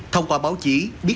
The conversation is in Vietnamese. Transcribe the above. thông qua báo chí